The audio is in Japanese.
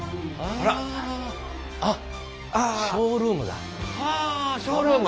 あっはショールーム。